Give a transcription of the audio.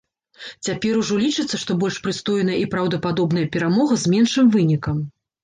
Цяпер ужо лічыцца, што больш прыстойная і праўдападобная перамога з меншым вынікам.